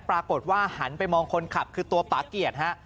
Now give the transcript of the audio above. ปรากฏว่าหันไปมองคนขับคือตัวป่าเกียรติฮะ